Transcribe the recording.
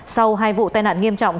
sau hai vụ tai nạn nghiêm trọng